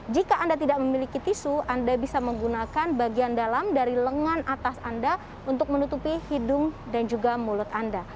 jika anda tidak memiliki tisu anda bisa menggunakan bagian dalam dari lengan atas anda untuk menutupi hidung dan juga mulut anda